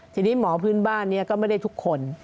ทีนี้หมอพื้นบ้านนี้ก็ไม่ได้ทุกคน